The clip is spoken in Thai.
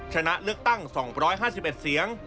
ชนะเลือกตั้ง๒๕๑เสียง